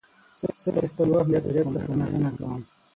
زه د خپل وخت مدیریت ته پاملرنه کوم.